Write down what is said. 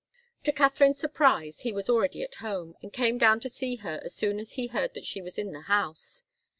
To Katharine's surprise, he was already at home, and came down to see her as soon as he heard that she was in the house.